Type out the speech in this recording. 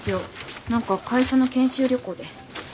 何か会社の研修旅行で。